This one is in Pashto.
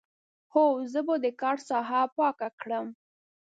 هو، زه به د کار ساحه پاک کړم.